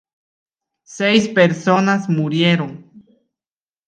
Seis personas murieron.